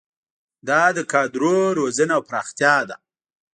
دا د کادرونو روزنه او پراختیا ده.